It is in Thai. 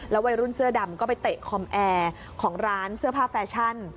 วัยรุ่นเสื้อดำก็ไปเตะคอมแอร์ของร้านเสื้อผ้าแฟชั่น